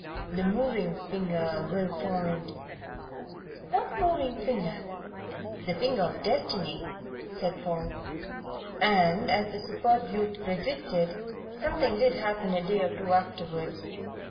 The 'moving finger' will point " "What moving finger?" "The finger of Destiny," said Paul. And, as the superb youth predicted, something did happen a day or two afterwards.